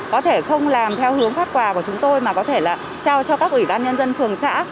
có thể không làm theo hướng phát quà của chúng tôi mà có thể là trao cho các ủy ban nhân dân phường xã